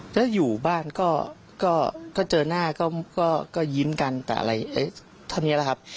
แล้วอยู่บ้านก็เจอหน้าก็ยิ้มกันแต่อะไรเท่านี้แหละครับ